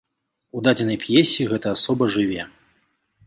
У дадзенай п'есе гэта асоба жыве.